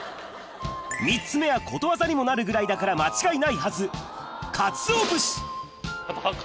３つ目はことわざにもなるぐらいだから間違いないはずカツオ節！